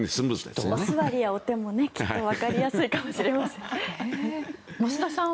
お座りやお手も、きっとわかりやすいかもしれません。